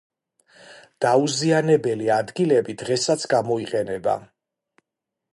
დაუზიანებელი ადგილები დღესაც გამოიყენება.